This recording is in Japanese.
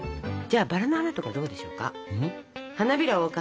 じゃあバラの花とかどうでしょうか？